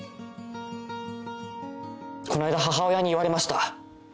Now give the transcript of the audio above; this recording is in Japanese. こないだ母親に言われました。